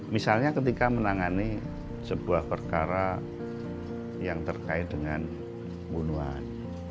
misalnya ketika menangani sebuah perkara yang terkait dengan bunuhan